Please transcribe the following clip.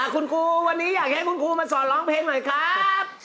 คุณครูวันนี้อยากให้คุณครูมาสอนร้องเพลงหน่อยครับ